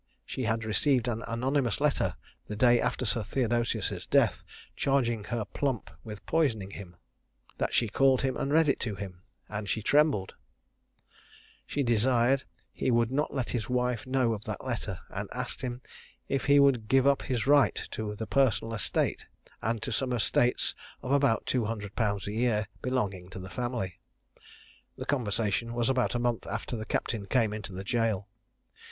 she had received an anonymous letter the day after Sir Theodosius's death, charging her plump with poisoning him; that she called him and read it to him, and she trembled; she desired he would not let his wife know of that letter, and asked him if he would give up his right to the personal estate, and to some estates of about two hundred pounds a year, belonging to the family." The conversation was about a month after the captain came into the jail.